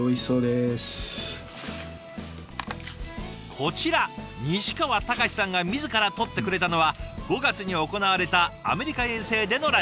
こちら西川隆さんが自ら撮ってくれたのは５月に行われたアメリカ遠征でのランチ。